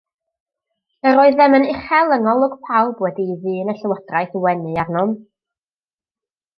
Yr oeddem yn uchel yng ngolwg pawb wedi i ddyn y llywodraeth wenu arnom.